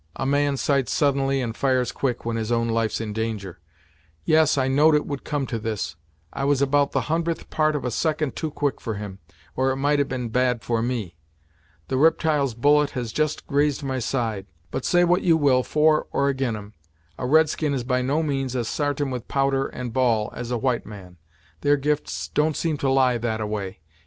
A man sights suddenly, and fires quick when his own life's in danger; yes, I know'd it would come to this. I was about the hundredth part of a second too quick for him, or it might have been bad for me! The riptyle's bullet has just grazed my side but say what you will for or ag'in 'em, a red skin is by no means as sartain with powder and ball as a white man. Their gifts don't seem to lie that a way.